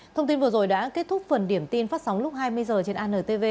thông tin vừa rồi đã kết thúc phần điểm tin phát sóng lúc hai mươi h trên antv